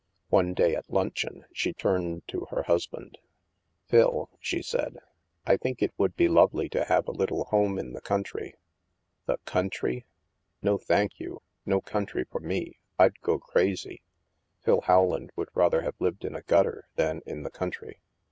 One day at luncheon, she turned to her husband. " Phil,'' she said, " I think it would be lovely to have a little home in the country." " The country? No, thank you. No country for me. Fd go crazy." (Phil Rowland would rather have lived in a gutter than in the country.)